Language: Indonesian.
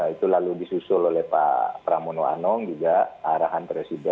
itu lalu disusul oleh pak pramono anung juga arahan presiden